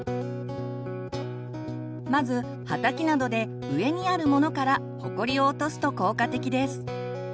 まずハタキなどで上にあるものからほこりを落とすと効果的です。